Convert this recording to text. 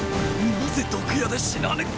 なぜ毒矢で死なぬ⁉